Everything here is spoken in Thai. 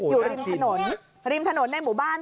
อยู่ริมถนนริมถนนในหมู่บ้าน